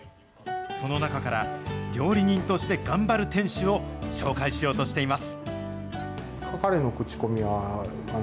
その中から、料理人として頑張る店主を紹介しようとしています。